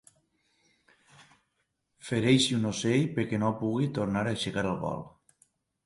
Fereixi un ocell perquè no pugui tornar a aixecar el vol.